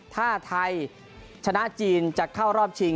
ถ้าไทยชนะจีนจะเข้ารอบชิง